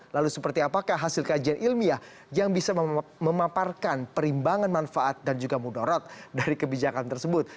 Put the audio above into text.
lalu seperti apakah hasil kajian ilmiah yang bisa memaparkan perimbangan manfaat dan juga mudarat dari kebijakan tersebut